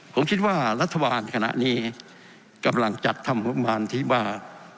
ผมคิดว่ารัฐบาลขณะนี้กำลังจัดทำงบประมาณที่ว่า